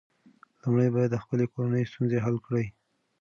لومړی باید د خپلې کورنۍ ستونزې حل کړې.